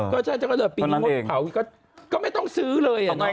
ก็ใช่ใช่ดิกลับปีนี้แห้งแป๋วก็ไม่ต้องสือเลยครับ